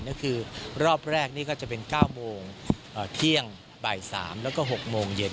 ก็คือรอบแรกนี่ก็จะเป็น๙โมงเที่ยงบ่าย๓แล้วก็๖โมงเย็น